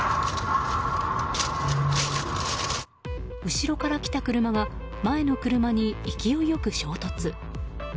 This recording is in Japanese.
後ろから来た車が前の車に勢い良く衝突。